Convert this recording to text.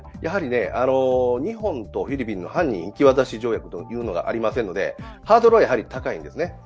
日本とフィリピンの犯人引き渡し条約というのがありませんのでハードルはやはり高いんですね。